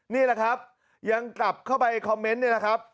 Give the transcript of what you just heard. นี่แหละครับยังกลับเข้าไปคอมเมนต์นี่แหละครับ